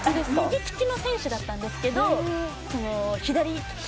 右利きの選手だったんですけど左利き。